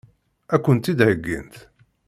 Ad kent-tt-id-heggint?